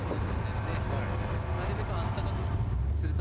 なるべく。